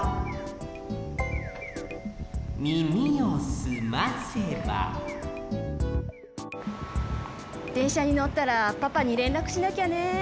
たとえばでんしゃにのったらパパにれんらくしなきゃね。